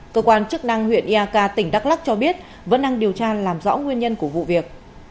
cơ quan chức năng huyện iak tỉnh đắk lắc cho biết vẫn đang điều tra làm rõ nguyên nhân của vụ việc